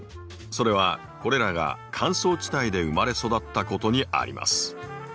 それはこれらが乾燥地帯で生まれ育ったことにあります。